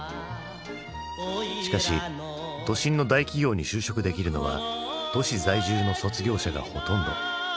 しかし都心の大企業に就職できるのは都市在住の卒業者がほとんど。